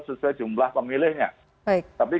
sesuai jumlah pemilihnya tapi